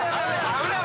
危ない。